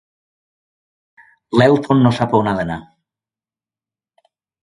L'Elton no sap on ha d'anar.